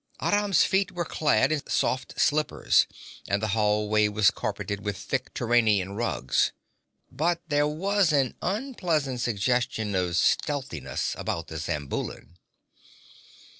Aram's feet were clad in soft slippers and the hallway was carpeted with thick Turanian rugs; but there was an unpleasant suggestion of stealthiness about the Zamboulan.